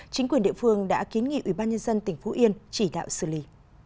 chính quyền địa phương đã kiến nghị ubnd tỉnh phú yên chỉ đạo xử lý